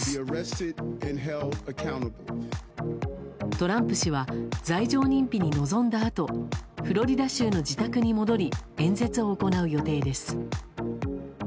トランプ氏は罪状認否に臨んだあとフロリダ州の自宅に戻り演説を行う予定です。